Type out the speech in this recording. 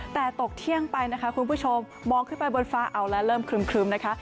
แต่ตกเที่ยงไปนะคะคุณผู้ชมมองขึ้นไปบนฟ้าเอาแล้วเริ่มครึ้มนะคะ